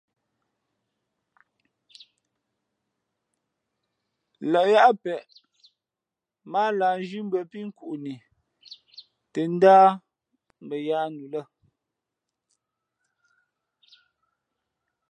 Lᾱ yáá peʼ mά á lǎh zhímbʉ̄ᾱ pí nkuʼni tα ndάʼ mbαyaā nu lᾱ.